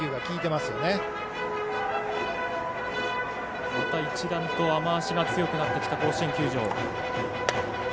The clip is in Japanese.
また一段と雨足が強くなってきた甲子園球場。